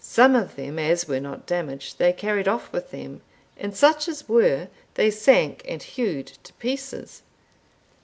Such of them as were not damaged they carried off with them, and such as were, they sank and hewed to pieces.